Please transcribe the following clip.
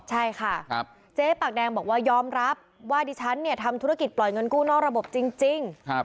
ใช่ค่ะเจ๊ปากแดงบอกว่ายอมรับว่าดิฉันเนี่ยทำธุรกิจปล่อยเงินกู้นอกระบบจริง